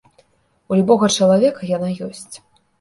У любога чалавека яна ёсць.